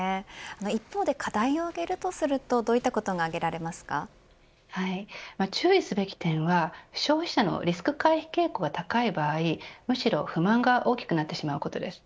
一方で課題を挙げるとするとどういったことが注意すべき点は消費者のリスク回避傾向が高い場合むしろ不満が大きくなってしまうことです。